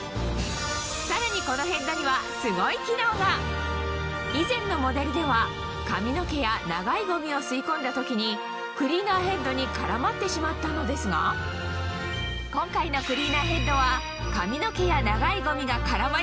このヘッドには以前のモデルでは髪の毛や長いゴミを吸い込んだ時にクリーナーヘッドに絡まってしまったのですがその秘密は？